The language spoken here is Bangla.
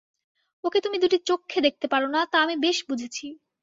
ওকে তুমি দুটি চক্ষে দেখতে পার না, তা আমি বেশ বুঝেছি।